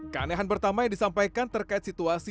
keanehan pertama yang disampaikan terkait situasi